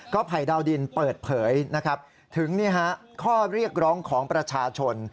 ภัยดาวดินเปิดเผยนะครับถึงข้อเรียกร้องของประชาชน